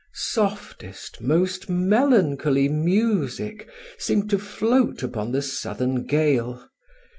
Softest, most melancholy music, seemed to float upon the southern gale.